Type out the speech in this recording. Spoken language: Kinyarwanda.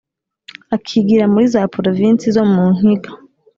akigira muri za provinsi zo mu nkiga,